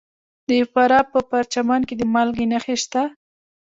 د فراه په پرچمن کې د مالګې نښې شته.